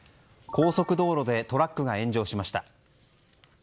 高速道路でトラックが炎上しました。